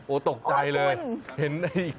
โอ้โหตกใจเลยเห็นไอ้